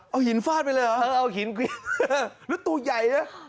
เอาหินฟาดไปเลยเหรอเอาหินแล้วตัวใหญ่นะ